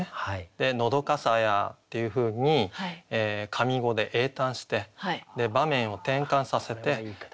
で「のどかさや」っていうふうに上五で詠嘆して場面を転換させて「枯山水」。